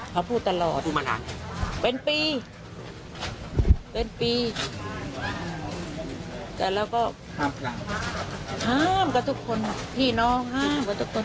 เขาพูดตลอดพูดมานานเป็นปีเป็นปีแต่เราก็ห้ามกับทุกคนพี่น้องห้ามกับทุกคน